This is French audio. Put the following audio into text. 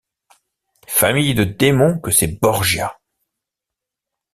Famille de démons que ces Borgia!